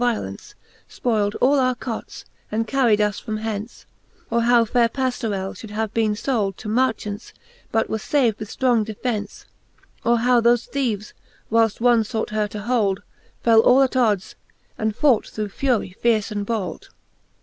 violence, Spoyld all our cots, and carried us from hence ? Or how faire Paflorell fhould have bene fold To marchants, but was fav'd with ftrong defence ? Or hov/ thofe theeves, whileft one fought her to hold. Fell all at ods, and fought through fury fierce and bold.